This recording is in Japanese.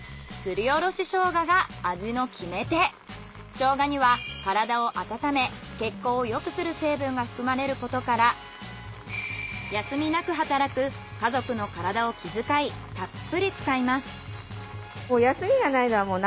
ショウガには体を温め血行をよくする成分が含まれることから休みなく働く家族の体を気づかいたっぷり使います。